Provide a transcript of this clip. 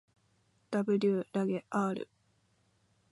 ｗ らげ ｒ